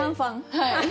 はい。